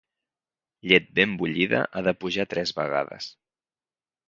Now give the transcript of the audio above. Llet ben bullida ha de pujar tres vegades.